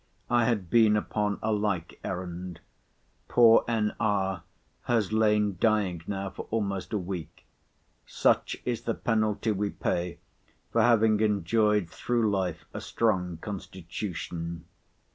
I had been upon a like errand. Poor N.R. has lain dying now for almost a week; such is the penalty we pay for having enjoyed through life a strong constitution.